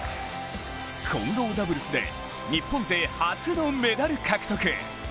混合ダブルスで日本勢初のメダル獲得。